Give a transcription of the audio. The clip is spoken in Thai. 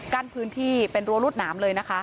กั้นพื้นที่เป็นรั้วรวดหนามเลยนะคะ